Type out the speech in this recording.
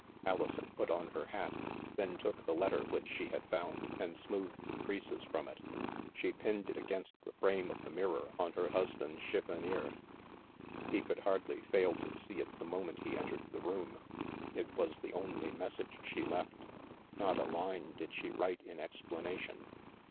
Alison put on her hat, then took the letter which she had found, and smoothed the creases from it. She pinned it against the frame of the mirror on her husband's chiffonier; he could hardly fail to see it the moment he entered the room. It was the only message she left. Not a line did she write in explanation.